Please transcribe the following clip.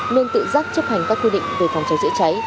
nên tự dắt chấp hành các quy định về phòng cháy chữa cháy